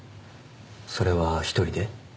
それは１人で？